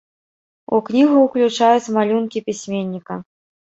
У кнігу ўключаць малюнкі пісьменніка.